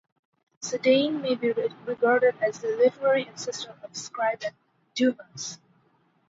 Sedaine may be regarded as the literary ancestor of Scribe and Dumas.